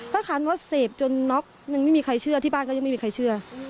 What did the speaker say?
ถ้าคันว่าเสพจนน็อกยังไม่มีใครเชื่อที่บ้านก็ยังไม่มีใครเชื่อ